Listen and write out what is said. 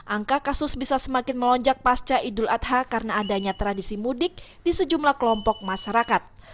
angka kasus bisa semakin melonjak pasca idul adha karena adanya tradisi mudik di sejumlah kelompok masyarakat